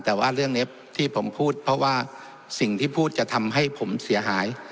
แต่ว่าเรื่องนี้ที่ผมพูดเพราะว่าสิ่งที่พูดจะทำให้ผมเสียหาย